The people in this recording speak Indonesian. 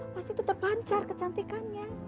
pasti tuh terpancar kecantikannya